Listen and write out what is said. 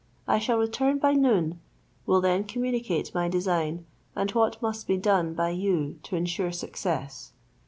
I shall return by noon, will then communicate my design, and what must be done by you to ensure success.